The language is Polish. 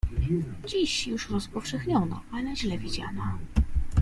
Dziś już rozpowszechniona, ale źle widziana